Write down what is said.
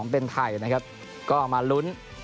เป็นไทยนะครับก็มาลุ้น